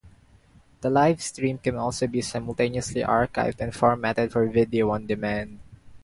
The live stream can also be simultaneously archived and formatted for video on demand.